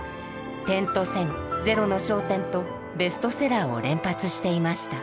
「点と線」「ゼロの焦点」とベストセラーを連発していました。